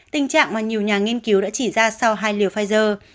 tình trạng mà nhiều nhà nghiên cứu đã chỉ ra sau hai liều pfizer